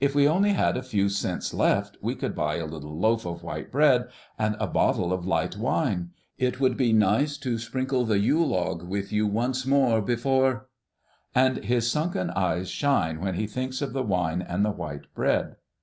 If we only had a few cents left, we could buy a little loaf of white bread and a bottle of light wine. It would be nice to sprinkle the Yule log with you once more before " And his sunken eyes shine when he thinks of the wine and the white bread.